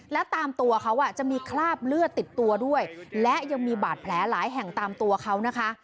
และตามตัวเขาจะมีคราบเลือดติดตัวด้วยและยังมีบาดแผลหลายแห่งตามตัวเขานะคะ